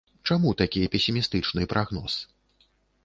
Чаму такі песімістычны прагноз?